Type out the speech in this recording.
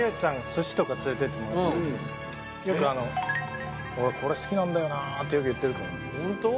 寿司とか連れてってもらった時によくあの「俺これ好きなんだよな」ってよく言ってるからホント？